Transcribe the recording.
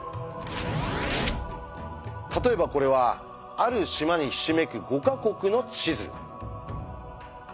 例えばこれはある島にひしめく５か国の地図。